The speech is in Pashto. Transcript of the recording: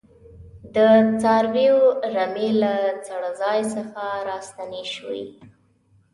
د څارویو رمې له څړځای څخه راستنې شوې.